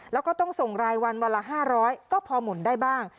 แล้วก็ต้องส่งรายวันวันละ๕๐๐ก็พอหมุนได้บ้าง